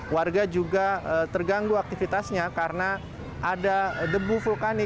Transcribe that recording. warga juga terganggu aktivitasnya karena ada debu vulkanik